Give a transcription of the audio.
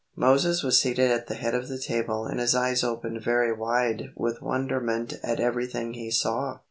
Moses was seated at the head of the table and his eyes opened very wide with wonderment at everything he saw.